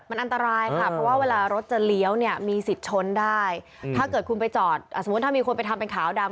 มันอันตรายค่ะเพราะว่าเวลารถจะเลี้ยวเนี่ยมีสิทธิ์ชนได้ถ้าเกิดคุณไปจอดสมมุติถ้ามีคนไปทำเป็นขาวดำ